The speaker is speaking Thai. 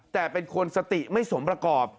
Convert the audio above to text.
แต่เป็นคนสติไม่สมประกอบ